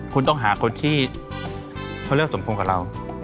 คุณต้องหาคนที่เสี่ยงโรคโปรสมพงษ์กับเรา